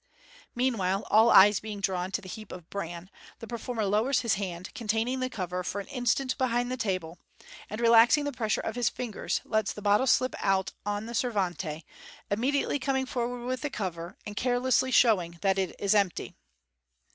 Meanwhile, all eyes being drawn to the heap of bran, the performer lowers his hand, containing the cover, for an instant behind the table, and relaxing the pressure of his fingers, lets the bottle slip out on the servante, immediately coming forward with the cover, and carelessly showing that it is empty.